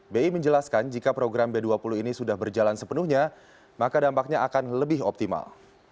bi menjelaskan jika program b dua puluh ini sudah berjalan sepenuhnya maka dampaknya akan lebih optimal